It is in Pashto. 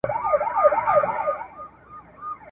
پریږده تیر سه له ستمه